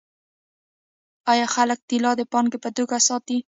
آیا خلک طلا د پانګې په توګه ساتي؟